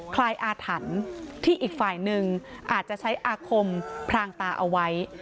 ลายอาถรรพ์ที่อีกฝ่ายหนึ่งอาจจะใช้อาคมพรางตาเอาไว้